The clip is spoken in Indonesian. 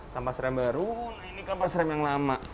kampas rem baru ini kampas rem yang lama